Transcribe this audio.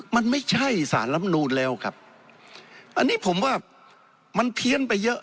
มันไม่ใช่สารลำนูนแล้วครับอันนี้ผมว่ามันเพี้ยนไปเยอะ